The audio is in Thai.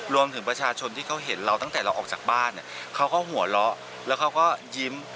รวมถึงประชาชนที่เขาเห็นเราตั้งแต่เราออกจากบ้านเนี่ยเขาก็หัวเราะแล้วเขาก็ยิ้ม